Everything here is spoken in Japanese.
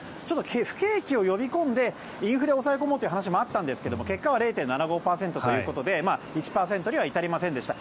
不景気を呼び込んでインフレを抑え込もうという話もあったんですが結果は０．７５％ということで１％には至りませんでした。